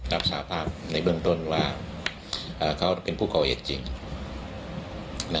สาธารณ์ภาพในเบื้องต้นว่าเขาเป็นผู้เกาเอสจริงนะ